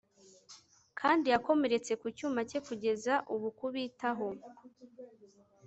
Kandi yakomeretse ku cyuma cye Kugeza ubu kubitaho